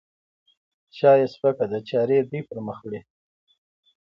شا یې سپکه ده؛ چارې دوی پرمخ وړي.